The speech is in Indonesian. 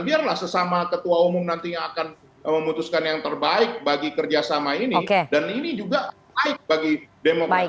biarlah sesama ketua umum nantinya akan memutuskan yang terbaik bagi kerjasama ini dan ini juga baik bagi demokrat